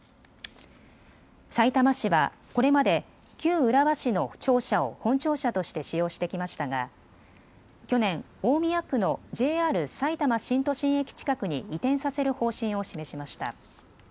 さいたま市はこれまで旧浦和市の庁舎を本庁舎として使用してきましたが去年、大宮区のＪＲさいたま新都心駅近くに移転させる方針を示しました。